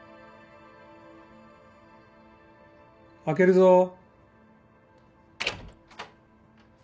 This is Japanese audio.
開けるぞ。